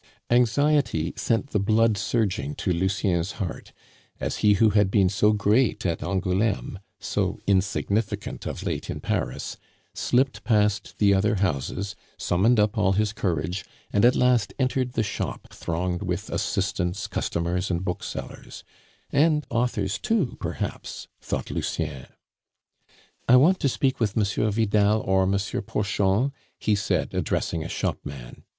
Anxiety sent the blood surging to Lucien's heart, as he who had been so great at Angouleme, so insignificant of late in Paris, slipped past the other houses, summoned up all his courage, and at last entered the shop thronged with assistants, customers, and booksellers "And authors too, perhaps!" thought Lucien. "I want to speak with M. Vidal or M. Porchon," he said, addressing a shopman.